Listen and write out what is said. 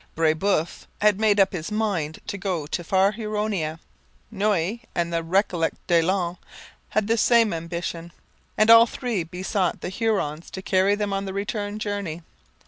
Brebeuf had made up his mind to go to far Huronia; Noue and the Recollet Daillon had the same ambition; and all three besought the Hurons to carry them on the return journey.